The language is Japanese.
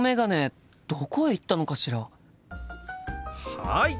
はい！